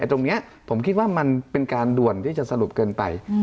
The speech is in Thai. ตรงนี้ผมคิดว่ามันเป็นการด่วนที่จะสรุปเกินไป